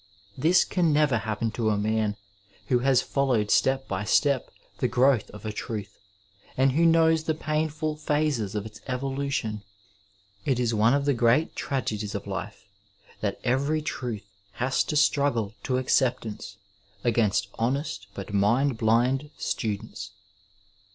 This can never happen to a man who kas fallowed 416 Digitized by VjOOQIC THE STUDENT LIFE step by step the growth of a truth, and who knows the pain ful phases of its evolution. It is one of the great tragedies of life that every ixuth. has to struggle to acceptance against honest but mind blind students.